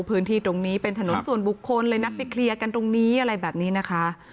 พื้นที่ตรงนี้เป็นถนนส่วนบุคคลเลยนัดไปเคลียร์กันตรงนี้อะไรแบบนี้นะคะ